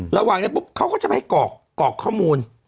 ระหว่างนั้นปุ๊บเขาก็จะไปให้กรอกข้อมูล